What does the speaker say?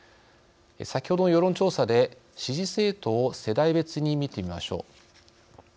先ほど世論調査で、支持政党を世代別に見てみましょう。